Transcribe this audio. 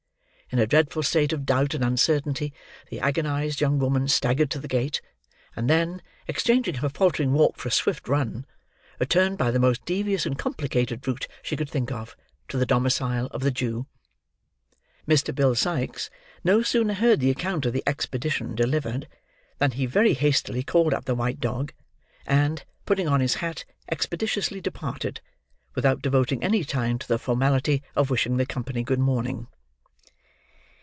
In a dreadful state of doubt and uncertainty, the agonised young woman staggered to the gate, and then, exchanging her faltering walk for a swift run, returned by the most devious and complicated route she could think of, to the domicile of the Jew. Mr. Bill Sikes no sooner heard the account of the expedition delivered, than he very hastily called up the white dog, and, putting on his hat, expeditiously departed: without devoting any time to the formality of wishing the company good morning.